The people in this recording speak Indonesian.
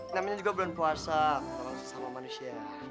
namanya juga belum puasa kalau sama manusia